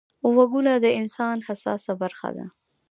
غوږونه د انسان حساسه برخه ده